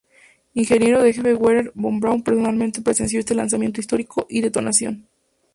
Ingeniero de jefe Wernher von Braun personalmente presenció este lanzamiento histórico y detonación.